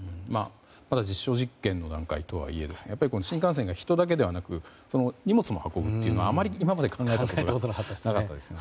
まだ実証実験の段階とはいえ新幹線が人だけではなく荷物も運ぶというのはあまり今まで考えたことがなかったですね。